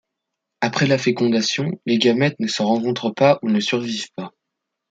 Après la fécondation, les gamètes ne se rencontrent pas ou ne survivent pas.